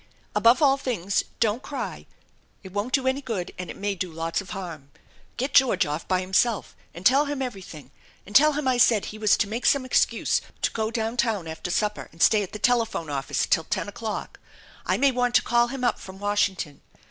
Above all things don't cry ! It won't do any good and it may do lots of harm. Get George off by himself and tell him everything, and tell him I said he was to make some excuse to go down town after supper and stay at the telephone office till ten o'clock. I may want to call him up from Washington.